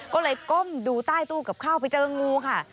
ก็เลยก้มดูใต้ตู้กับข้าวไปเจองูค่ะ